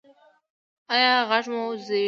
ایا غږ مو ریږدي؟